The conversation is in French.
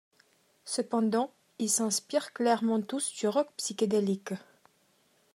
Cependant, ils s'inspirent clairement tous du rock psychédélique.